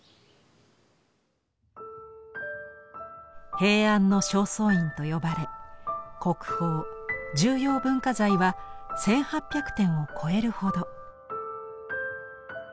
「平安の正倉院」と呼ばれ国宝・重要文化財は１，８００点を超えるほど。